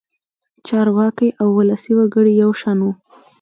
چارواکي او ولسي وګړي یو شان وو.